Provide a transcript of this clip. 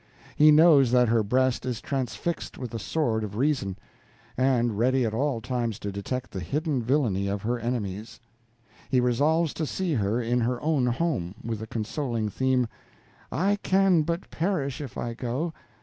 He knows that her breast is transfixed with the sword of reason, and ready at all times to detect the hidden villainy of her enemies. He resolves to see her in her own home, with the consoling theme: "'I can but perish if I go.'